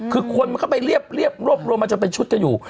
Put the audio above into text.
คือคนมันเข้าไปเรียบรบรวมมาจนเป็นชุดก็อยู่